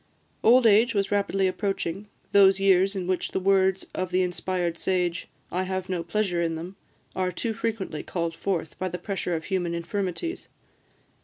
Old age was rapidly approaching, those years in which the words of the inspired sage, "I have no pleasure in them," are too frequently called forth by the pressure of human infirmities.